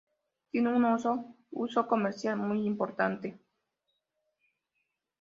Tiene un uso comercial muy importante.